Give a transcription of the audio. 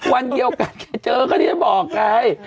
วันเดียวกันแค่เจอเขาที่จะบอกไง